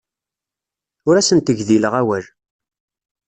Ur asent-gdileɣ awal.